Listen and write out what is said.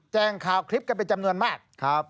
แจ้งข่าวคลิปกันเป็นจำนวนมาก